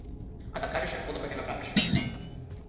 А да кажеше подобро ќе направеше.